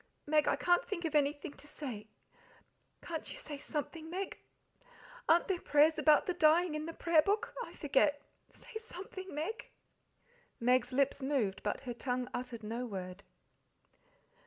"Meg, I can't think of anything to say. Can't you say something, Meg? Aren't there any prayers about the dying in the Prayer Book? I forget. Say something, Meg!" Meg's lips moved, but her tongue uttered no word.